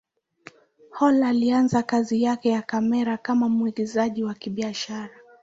Hall alianza kazi yake ya kamera kama mwigizaji wa kibiashara.